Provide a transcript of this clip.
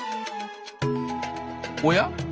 おや？